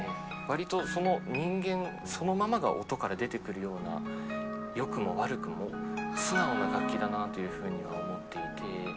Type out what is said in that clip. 割とその人間そのままが音から出てくるようなよくも悪くも素直な楽器だなというふうには思っていて。